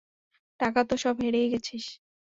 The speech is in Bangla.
টাকা তো সব হেরেই গেছিস!